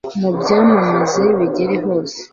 mubyamamaze bigere hose